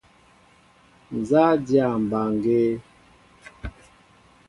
Nzá a dyâ mbaŋgēē?